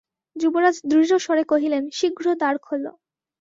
যুবরাজ দৃঢ়স্বরে কহিলেন, শীঘ্র দ্বার খোলো।